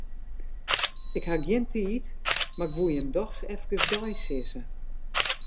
Ik haw gjin tiid, mar 'k woe jimme doch efkes deisizze.